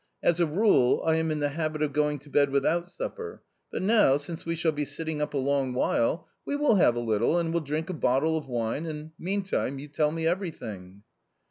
As a rule I am in the habit of going to bed without supper ; but now, since we shall be sitting up a long while, we will have a little, and will drink a bottle of wine, and meantime you tell me everything."